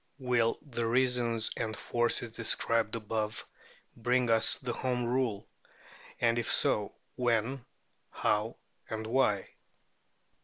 Will the reasons and forces described above bring us to Home Rule? and if so, when, how, and why?